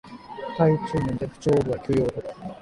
体調面で不調を覚え休養をとる